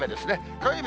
火曜日